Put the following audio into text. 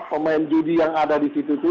pemain judi yang ada di situ